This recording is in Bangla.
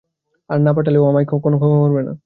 আর না পাঠালে, ও আমায় কখনো ক্ষমা করবে না।